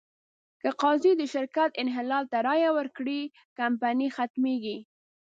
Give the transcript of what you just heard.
که قاضي د شرکت انحلال ته رایه ورکړي، کمپنۍ ختمېږي.